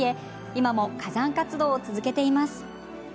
今も火山活動を続けています。